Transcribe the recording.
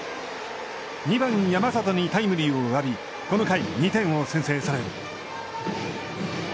２番山里にタイムリーを浴びこの回、２点を先制される。